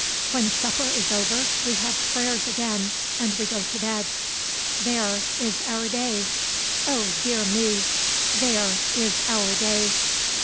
When supper is over, we have prayers again, and we go to bed. There is our day. Oh, dear me! there is our day.